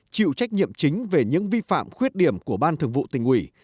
chịu trách nhiệm chính về những vi phạm khuyết điểm của ban thường vụ tỉnh ủy